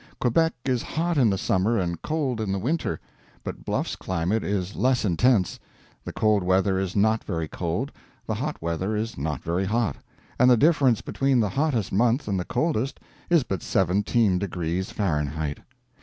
Quebec is hot in the summer and cold in the winter, but Bluff's climate is less intense; the cold weather is not very cold, the hot weather is not very hot; and the difference between the hottest month and the coldest is but 17 degrees Fahrenheit.